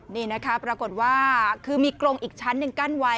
นี่นะคะปรากฏว่าคือมีกรงอีกชั้นหนึ่งกั้นไว้